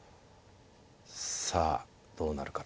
さあどうなるかですね。